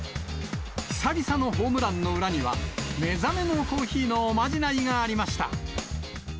久々のホームランの裏には、目覚めのコーヒーのおまじないがありました。